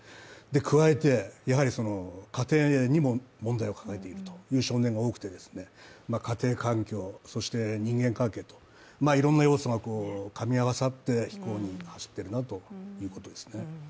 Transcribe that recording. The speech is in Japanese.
加えて、やはり家庭にも問題を抱えているという少年が多くて家庭環境、人間関係といろんな要素がかみ合わさって非行に走っているなということですね。